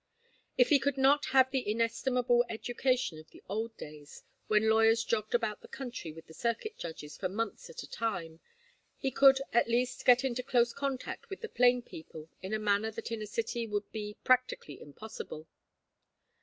If he could not have the inestimable education of the old days, when lawyers jogged about the country with the circuit judges for months at a time, he could at least get into close contact with the plain people in a manner that in a city would be practically impossible.